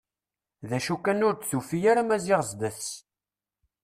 D acu kan ur d-tufi ara Maziɣ sdat-s.